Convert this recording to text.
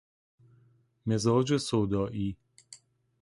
مزاج سودائی